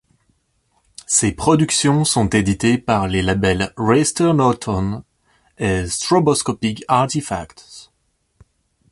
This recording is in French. Ses productions sont éditées par les labels Raster-Noton et Stroboscopic Artefacts.